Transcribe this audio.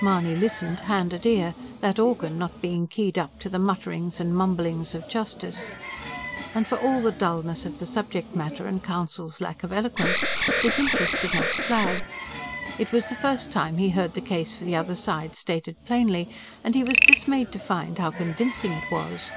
Mahony listened hand at ear, that organ not being keyed up to the mutterings and mumblings of justice. And for all the dullness of the subject matter and counsel's lack of eloquence his interest did not flag. It was the first time he heard the case for the other side stated plainly; and he was dismayed to find how convincing it was.